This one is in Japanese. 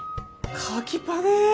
カキパネ。